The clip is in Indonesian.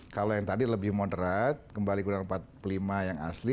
kalau yang tadi lebih moderat kembali ke undang undang empat puluh lima yang asli